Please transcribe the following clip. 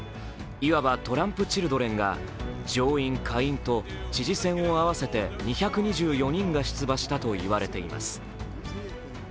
いわばトランプチルドレンが上院・下院と知事選を合わせて２２４人が出馬したと言われています